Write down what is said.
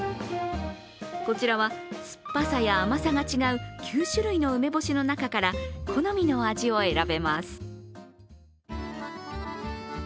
こちらは、酸っぱさや甘さが違う９種類の梅干しの中から好みの味を選べます。